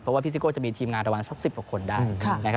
เพราะว่าพี่ซิโก้จะมีทีมงานประมาณสัก๑๐กว่าคนได้